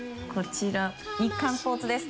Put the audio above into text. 日刊スポーツです。